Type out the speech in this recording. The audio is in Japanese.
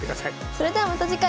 それではまた次回。